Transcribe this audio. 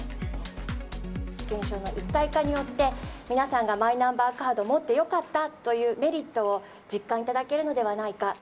保険証の一体化によって、皆さんがマイナンバーカード、持ってよかったというメリットを実感いただけるのではないか。